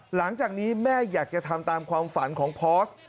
หลังจากนี้แม่อยากจะทำตามความฝันของพอร์ส